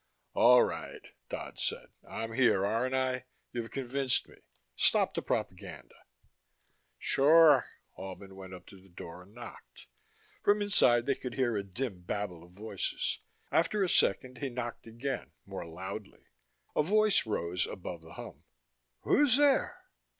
"All right," Dodd said. "I'm here, aren't I? You've convinced me stop the propaganda." "Sure." Albin went up to the door and knocked. From inside they could hear a dim babel of voices. After a second he knocked again, more loudly. A voice rose above the hum. "Who's there?"